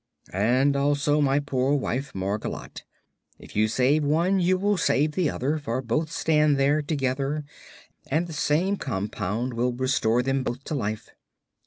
"And also my poor wife Margolotte. If you save one you will save the other, for both stand there together and the same compound will restore them both to life.